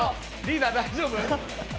リーダー大丈夫？